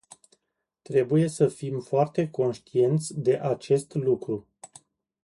Trebuie să fim foarte conștienți de acest lucru.